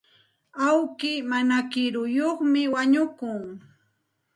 Awki mana kiruyuqmi wañukun.